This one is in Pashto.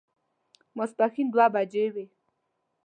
ماسپښين دوه بجې وې.